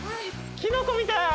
キノコみたい。